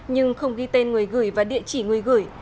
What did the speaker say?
nhưng không ghi tên người gửi và địa chỉ người gửi